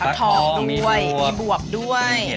ปลาทอมด้วยมีบวกด้วย